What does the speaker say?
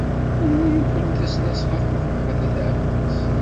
Anwa ay yukren tasnasɣalt n Ferḥat n At Ɛebbas?